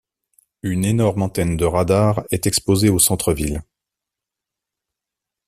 Une énorme antenne de radar est exposée au centre-ville.